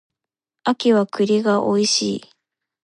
秋は栗が美味しい